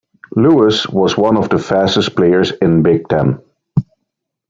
Lewis was one of fastest players in Big Ten.